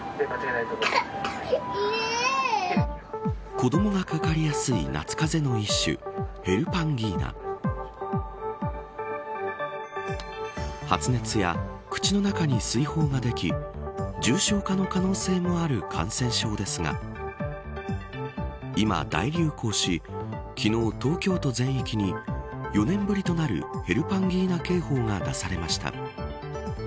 子どもがかかりやすい夏かぜの一種、ヘルパンギーナ発熱や、口の中に水疱ができ重症化の可能性もある感染症ですが今、大流行し昨日、東京都全域に４年ぶりとなるヘルパンギーナ警報が出されました。